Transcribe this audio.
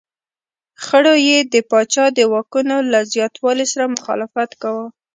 غړو یې د پاچا د واکونو له زیاتوالي سره مخالفت کاوه.